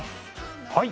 はい！